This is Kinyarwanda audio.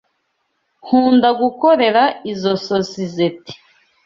Nkunda gukorera izoi sosizoete.